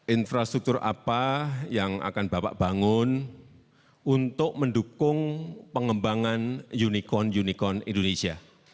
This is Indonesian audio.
infrastruktur apa yang akan bapak bangun untuk mendukung pengembangan unicorn unicorn indonesia